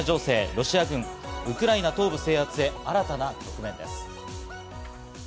ロシア軍、ウクライナ東部制圧へ新たな局面です。